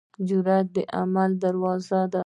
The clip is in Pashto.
جرئت د عمل دروازه ده.